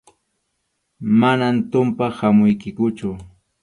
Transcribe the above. Manam tumpaq hamuykikuchu.